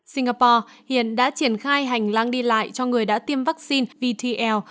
singapore hiện đã triển khai hành lang đi lại cho người đã tiêm vaccine vt